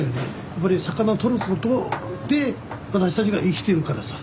やっぱり魚を取ることで私たちが生きてるからさ。